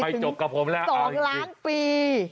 ถึง๒ล้านปี